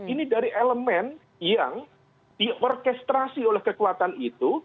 ini dari elemen yang diorkestrasi oleh kekuatan itu